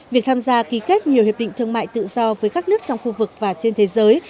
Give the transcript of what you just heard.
việc tham gia ký kết nhiều hiệp định thương mại tự do với các nước trong khu vực và trên thế giới